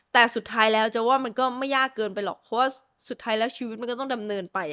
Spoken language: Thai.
แต่สุดท้ายแล้วจะว่ามันก็ไม่ยากเกินไปหรอกเพราะว่าสุดท้ายแล้วชีวิตมันก็ต้องดำเนินไป